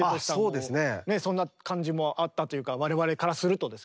あそうですね。そんな感じもあったというか我々からするとですけどね。